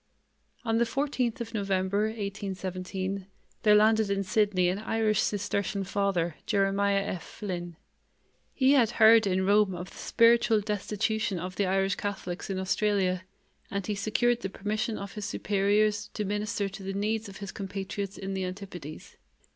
On the fourteenth of November, 1817, there landed in Sydney an Irish Cistercian Father, Jeremiah F. Flynn. He had heard in Rome of the spiritual destitution of the Irish Catholics in Australia, and he secured the permission of his superiors to minister to the needs of his compatriots in the Antipodes.